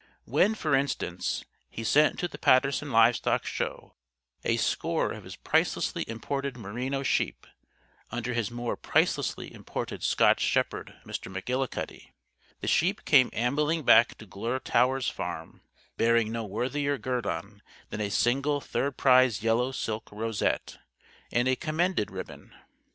When, for instance, he sent to the Paterson Livestock Show a score of his pricelessly imported merino sheep, under his more pricelessly imported Scotch shepherd, Mr. McGillicuddy the sheep came ambling back to Glure Towers Farm bearing no worthier guerdon than a single third prize yellow silk rosette and a "Commended" ribbon.